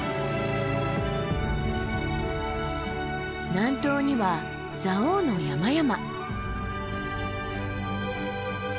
南東には蔵王の山々。